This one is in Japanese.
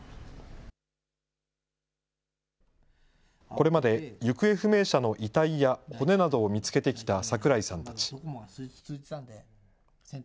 これまで行方不明者の遺体や骨などを見つけてきた桜井さんたち。